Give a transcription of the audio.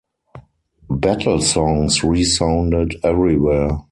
Battle songs resounded everywhere.